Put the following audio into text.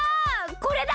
これだ！